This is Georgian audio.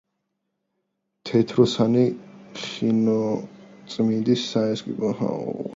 თეთროსანი ხინოწმინდის საეპისკოპოსოს ერთ-ერთ უმნიშვნელოვანეს კულტურულ ცენტრს წარმოადგენდა.